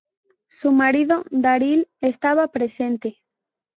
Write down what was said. Su marido, Daryl, estaba presente.